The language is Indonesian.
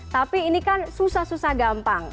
tapi ini kan susah susah gampang